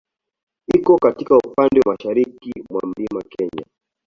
Iko katika upande wa mashariki mwa Mlima Kenya.